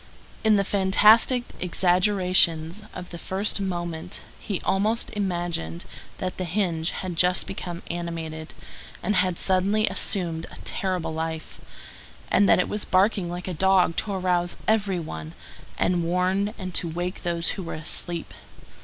In the fantastic exaggerations of the first moment he almost imagined that that hinge had just become animated, and had suddenly assumed a terrible life, and that it was barking like a dog to arouse every one, and warn and to wake those who were asleep.